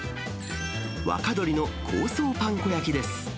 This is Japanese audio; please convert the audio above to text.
若鶏の香草パン粉焼きです。